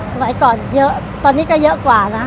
สมัยก่อนเยอะตอนนี้ก็เยอะกว่านะ